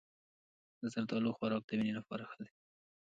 د زردالو خوراک د وینې لپاره ښه دی.